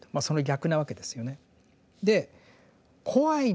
その逆なわけですよね。